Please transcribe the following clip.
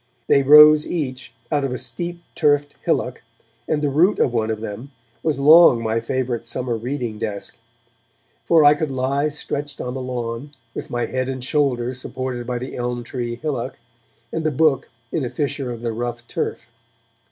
They rose each out of a steep turfed hillock, and the root of one of them was long my favourite summer reading desk; for I could lie stretched on the lawn, with my head and shoulders supported by the elm tree hillock, and the book in a fissure of the rough turf.